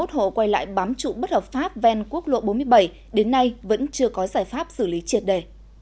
hai mươi hộ quay lại bám trụ bất hợp pháp ven quốc lộ bốn mươi bảy đến nay vẫn chưa có giải pháp xử lý triệt đề